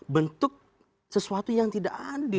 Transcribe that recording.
bentuk sesuatu yang tidak adil